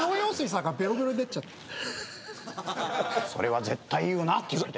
それは絶対言うなっつって。